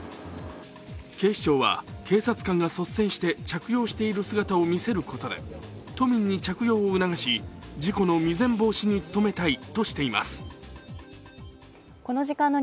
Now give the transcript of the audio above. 警視庁は警察官が率先して着用している姿を見せることで都民に着用を促し事故の未然防止に努めたいとしています。